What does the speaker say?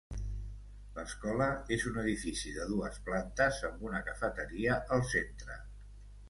L'escola és un edifici de dues plantes amb una cafeteria al centre.